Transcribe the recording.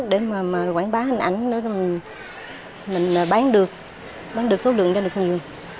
để mà quảng bá hình ảnh để mà mình bán được bán được số lượng ra được nhiều